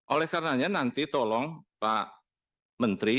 oleh karenanya nanti tolong pak menteri